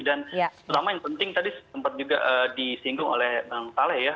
dan terutama yang penting tadi sempat juga disinggung oleh bang kale ya